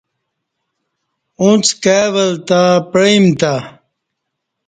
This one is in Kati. اݩڅ کائ ولتہ پعئیم تہ۔